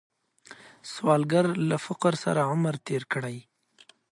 سوالګر له فقر سره عمر تیر کړی